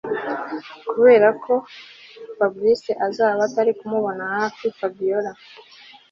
kubera ko Fabric azaba atarikumubona hafi Fabiora